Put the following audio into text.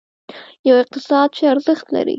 یو اقتصاد چې ارزښت لري.